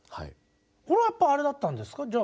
これはやっぱりあれだったんですか